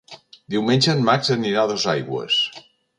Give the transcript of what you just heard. Diumenge en Max anirà a Dosaigües.